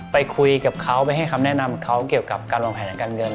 ไปคุยกับเขาไปให้คำแนะนำเขาเกี่ยวกับการวางแผนทางการเงิน